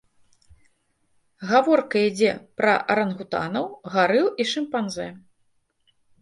Гаворка ідзе пра арангутанаў, гарыл і шымпанзэ.